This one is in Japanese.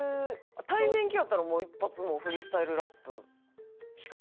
対面系やったら一発もうフリースタイルラップしかないんちゃう？